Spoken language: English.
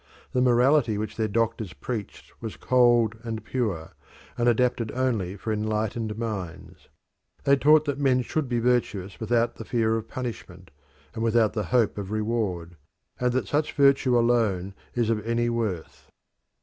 The morality which their doctors preached was cold and pure, and adapted only for enlightened minds. They taught that men should be virtuous without the fear of punishment and without the hope of reward, and that such virtue alone is of any worth.